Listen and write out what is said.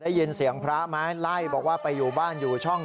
ได้ยินเสียงพระไหมไล่บอกว่าไปอยู่บ้านอยู่ช่อง